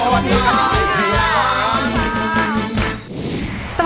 ร้องได้ให้ร้าน